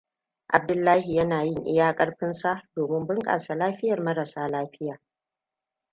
Abdullahi yana yin iya ƙarfinsa domin bunƙasa lafiyar marasa lafiya.